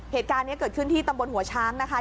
เหตุการณ์นี้เกิดขึ้นที่ตำบลหัวช้างนะคะ